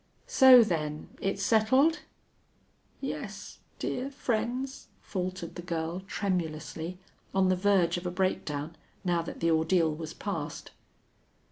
So, then, it's settled?" "Yes dear friends," faltered the girl, tremulously, on the verge of a breakdown, now that the ordeal was past.